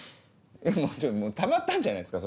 もうたまったんじゃないですか？